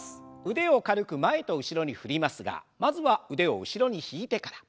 腕を軽く前と後ろに振りますがまずは腕を後ろに引いてから。